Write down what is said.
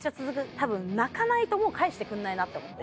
たぶん泣かないともう帰してくんないなって思って。